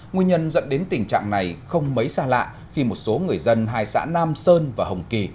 nguyên nhân dẫn đến tình trạng này không mấy xa lạ khi một số người dân hai xã nam sơn và hồng kỳ